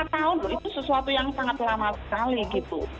lima tahun itu sesuatu yang sangat lama sekali gitu